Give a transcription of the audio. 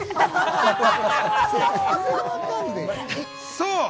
そう。